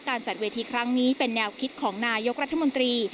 จัดเวทีครั้งนี้เป็นแนวคิดของนายกรัฐมนตรี